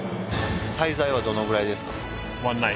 滞在はどのくらいですか？